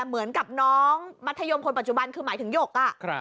เหมือนกับน้องมัธยมคนปัจจุบันคือหมายถึงหยก